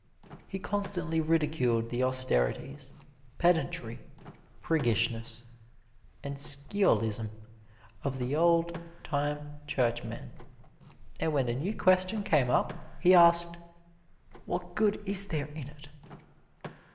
He constantly ridiculed the austerities, pedantry, priggishness and sciolism of the old time Churchmen, and when a new question came up, he asked, "What good is there in it?"